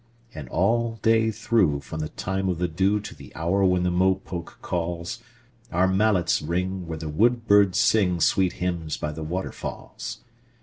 And all day through, from the time of the dewTo the hour when the mopoke calls, Our mallets ring where the woodbirds singSweet hymns by the waterfalls.